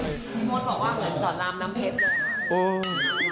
หมวนเหมือนกล่อรามน้ำเพชร